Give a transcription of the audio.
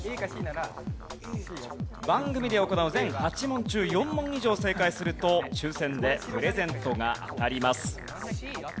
番組で行う全８問中４問以上正解すると抽選でプレゼントが当たります。